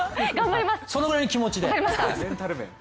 そのぐらいの気持ちで。